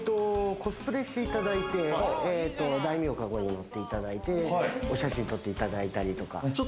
コスプレしていただいて、大名かごに乗っていただいて、お写真を撮っていただいたりとか。